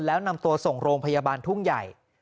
แล้วนำตัวส่งโรงพยาบาลทุ่งใหญ่